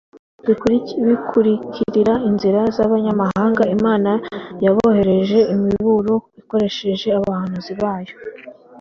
bikurikirira inzira z'abanyamahanga. Imana yaboherereje imiburo ikoresheje abahanuzi bayo